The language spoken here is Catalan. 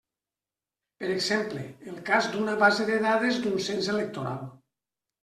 Per exemple, el cas d'una base de dades d'un cens electoral.